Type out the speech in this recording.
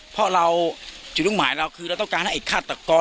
เพราะเราจุดมุ่งหมายเราคือเราต้องการให้ไอ้ฆาตกร